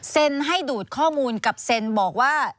ให้ดูดข้อมูลกับเซ็นบอกว่า